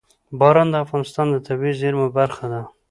باران د افغانستان د طبیعي زیرمو برخه ده.